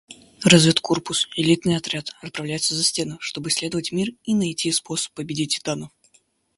Разведкорпус, элитный отряд, отправляется за стены, чтобы исследовать мир и найти способ победить титанов.